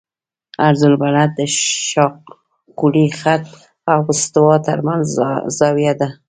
عرض البلد د شاقولي خط او استوا ترمنځ زاویه ده